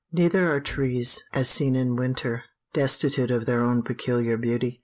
Neither are trees, as seen in winter, destitute of their own peculiar beauty.